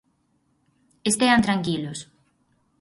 Estean tranquilos.